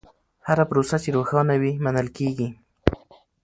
هره پروسه چې روښانه وي، منل کېږي.